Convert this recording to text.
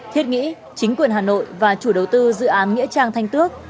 thiết nghĩ chính quyền hà nội và chủ đầu tư dự án nghĩa trang thanh tước